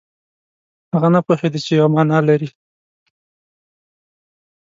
هغه نه پوهېده چې یوه معنا لري.